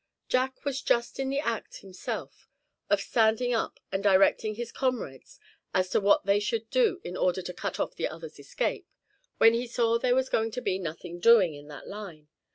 Jack was just in the act himself of standing up and directing his comrades as to what they should do in order to cut off the other's escape, when he saw there was going to be nothing doing in that line.